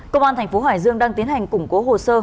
công an tp hải dương đang tiến hành củng cố hồ sơ